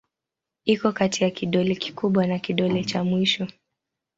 Iko kati ya kidole kikubwa na kidole cha mwisho.